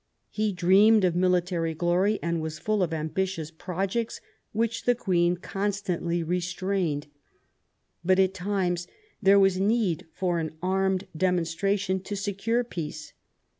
He dreamed of military glory, and was full of ambitious projects, which the Queen constantly restrained. But, at times, there was need for an armed demonstration to secure peace.